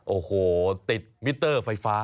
โอ้โหติดมิเตอร์ไฟฟ้า